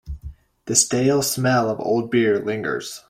The stale smell of old beer lingers.